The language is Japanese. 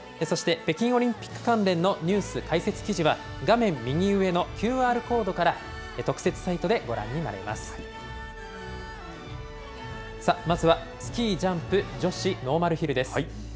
そして北京オリンピック関連のニュース・解説記事は画面右上のＱＲコードから特設サイトでご覧になれます。さあ、まずはスキージャンプ女子ノーマルヒルです。